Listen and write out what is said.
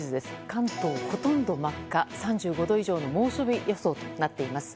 関東、ほとんど真っ赤３５度以上の猛暑日予想となっています。